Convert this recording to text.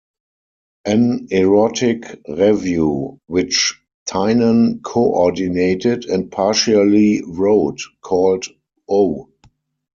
An erotic revue which Tynan co-ordinated and partially wrote, called Oh!